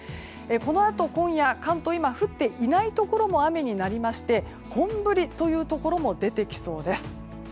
このあと今夜関東で今は降っていないところも雨になりまして本降りというところも出てきそうです。